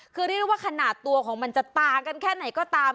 คือเรียกได้ว่าขนาดตัวของมันจะต่างกันแค่ไหนก็ตาม